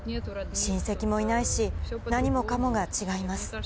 親戚もいないし、何もかもが違います。